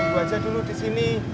bantu gue aja dulu di sini